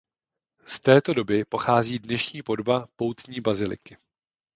Z této doby pochází dnešní podoba poutní baziliky.